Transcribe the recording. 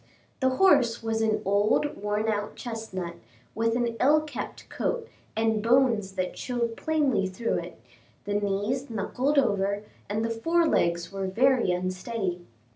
The horse was an old worn out chestnut, with an ill kept coat, and bones that showed plainly through it, the knees knuckled over, and the fore legs were very unsteady.